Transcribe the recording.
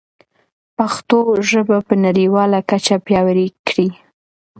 پښتو ژبه په نړیواله کچه پیاوړې کړئ.